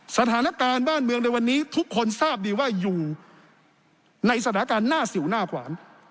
สถานการณ์บ้านเมืองในวันนี้ทุกคนทราบดีว่าอยู่ในสถานการณ์หน้าสิวหน้าขวาน